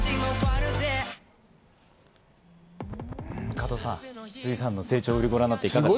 加藤さん、ＲＵＩさんの成長ぶりをご覧になっていかがですか。